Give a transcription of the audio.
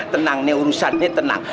tenang ini urusan ini tenang